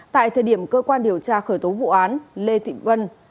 tại thời điểm cơ quan điều tra khởi tố vụ án lê thị vân